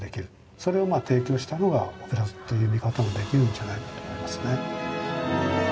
それを提供したのがオペラ座という見方もできるんじゃないかと思いますね。